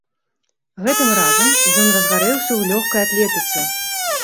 Гэтым разам ён разгарэўся ў лёгкай атлетыцы.